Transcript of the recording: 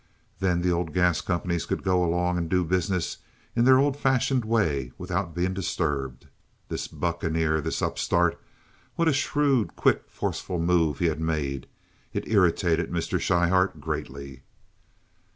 Then the old gas companies could go along and do business in their old fashioned way without being disturbed. This bucaneer! This upstart! What a shrewd, quick, forceful move he had made! It irritated Mr. Schryhart greatly.